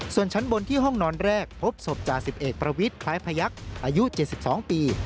ส่วนชั้นบนที่ห้องนอนแรกพบศพจ่าสิบเอกประวิทย์คล้ายพยักษ์อายุ๗๒ปี